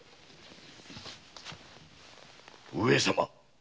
上様